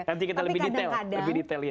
nanti kita lebih detail